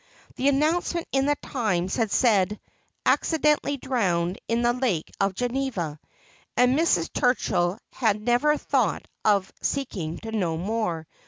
The announcement in The Times had said :' Acciden tally drowned in the Lake of Greneva,' and Mrs. Turchill had never thought of seeking to know more.